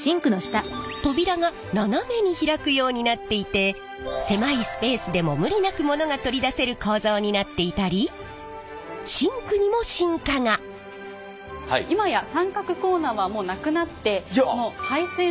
扉が斜めに開くようになっていて狭いスペースでも無理なくものが取り出せる構造になっていたりシンクにも進化が！えなくなったんやって。